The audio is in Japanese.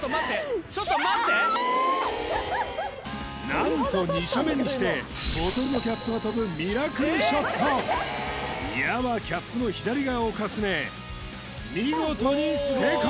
何と２射目にしてボトルのキャップが飛ぶ矢はキャップの左側をかすめ見事に成功！